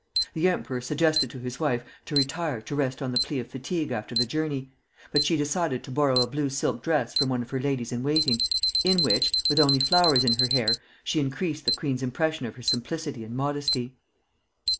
The emperor suggested to his wife to retire to rest on the plea of fatigue after the journey, but she decided to borrow a blue silk dress from one of her ladies in waiting, in which, with only flowers in her hair, she increased the queen's impression of her simplicity and modesty.